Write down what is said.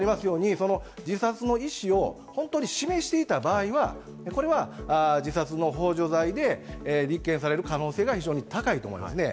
自殺の意思を本当に示していた場合は、これは、自殺のほう助罪で立件される可能性が非常に高いと思いますね。